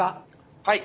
はい！